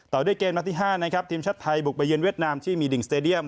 ด้วยเกมนัดที่๕นะครับทีมชาติไทยบุกไปเยือเวียดนามที่มีดิ่งสเตดียม